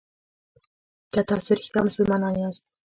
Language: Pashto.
که تاسو رښتیا مسلمانان یاست.